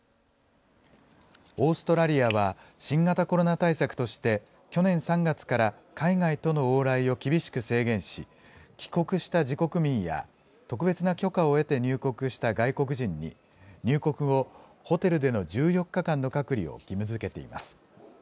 オーストラリアは、新型コロナ対策として、去年３月から、海外との往来を厳しく制限し、帰国した自国民や、特別な許可を得て入国した外国人に、入国後、ホテルでの１４日間の隔離を義務づけています。